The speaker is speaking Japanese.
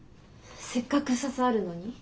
せっかく笹あるのに？